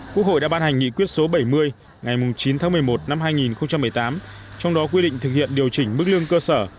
quốc hội đã ban hành nghị quyết số bảy mươi ngày chín tháng một mươi một năm hai nghìn một mươi tám trong đó quy định thực hiện điều chỉnh mức lương cơ sở